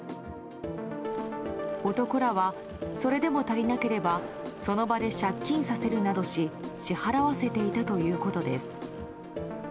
男らは、それでも足りなければその場で借金させるなどし支払わせていたということです。